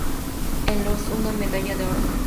En los una medalla de oro.